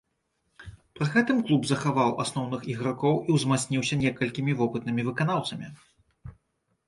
Пры гэтым клуб захаваў асноўных ігракоў і ўзмацніўся некалькімі вопытнымі выканаўцамі.